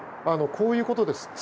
こういうことです。